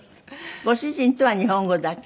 ご主人とは日本語だけ？